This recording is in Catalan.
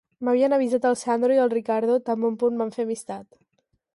M’havien avisat el Sandro i el Riccardo tan bon punt vam fer amistat.